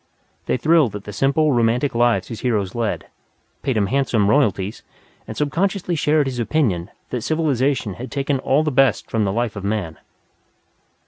They thrilled at the simple, romantic lives his heroes led, paid him handsome royalties, and subconsciously shared his opinion that civilization had taken all the best from the life of man.